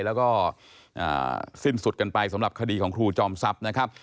แล้วก็สิ้นสุดกันไปสำหรับคดีของครูจอมทรัพย์นะครับ